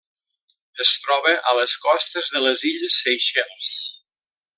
Es troba a les costes de les illes Seychelles.